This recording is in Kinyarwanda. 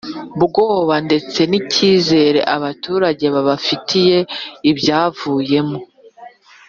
bwabo ndetse n icyizere abaturage babafitiye Ibyavuyemo